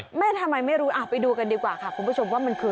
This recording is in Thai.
แม่ทำไมไม่รู้ไปดูกันดีกว่าค่ะคุณผู้ชมว่ามันคือ